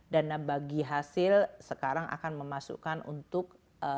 dana bagi hasil sekarang akan memasukkan untuk